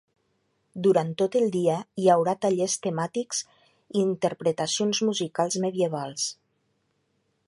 Durant tot el dia hi haurà tallers temàtics i interpretacions musicals medievals.